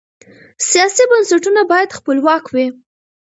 سیاسي بنسټونه باید خپلواک وي